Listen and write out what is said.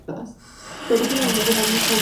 Florecen en el mes de mayo y junio.